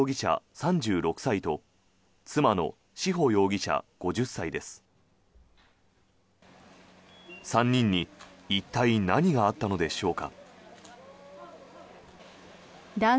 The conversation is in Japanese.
３人に一体、何があったのでしょうか。